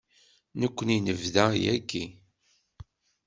Nekkni nebda yagi.